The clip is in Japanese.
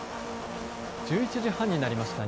１１時半になりました。